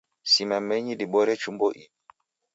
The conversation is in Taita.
Simamenyi dibore chumbo iw'i